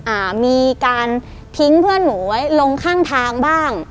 อ่ามีการทิ้งเพื่อนหนูไว้ลงข้างทางบ้าง